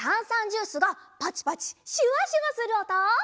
ジュースがパチパチシュワシュワするおと？